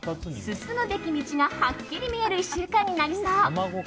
進むべき道がはっきり見える１週間になりそう。